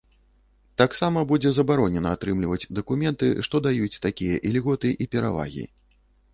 Таксама будзе забаронена атрымліваць дакументы, што даюць такія ільготы і перавагі.